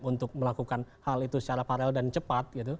untuk melakukan hal itu secara parel dan cepat